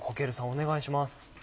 お願いします。